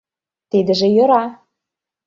Тидыже йӧра.